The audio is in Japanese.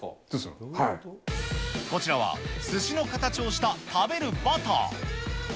こちらは、すしの形をした食べるバター。